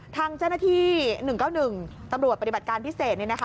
ทางเจ้าหน้าที่๑๙๑ตำรวจปฏิบัติการพิเศษ